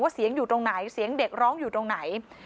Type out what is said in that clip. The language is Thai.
เสียงอยู่ตรงไหนเสียงเด็กร้องอยู่ตรงไหน